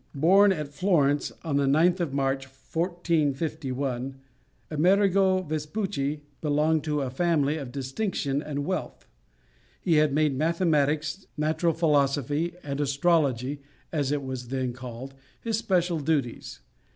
Born at Florence on the 9th of March, 1451, Amerigo Vespucci belonged to a family of distinction and wealth. He had made mathematics, natural philosophy, and astrology (as it was then called) his special studies.